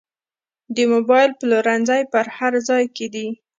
د موبایل پلورنځي په هر ځای کې دي